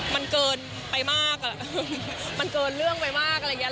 มันเกินไปมากมันเกินเรื่องไปมากอะไรอย่างนี้